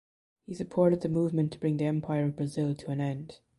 He supported the movement to bring the Empire of Brazil to an end.